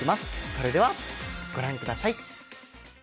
それでは御覧ください。